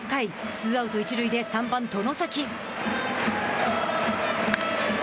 ツーアウト、一塁で３番外崎。